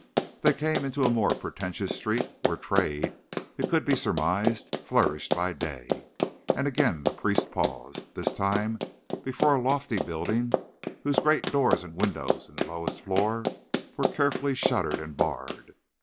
They came into a more pretentious street, where trade, it could be surmised, flourished by day. And again the priest paused; this time before a lofty building, whose great doors and windows in the lowest floor were carefully shuttered and barred.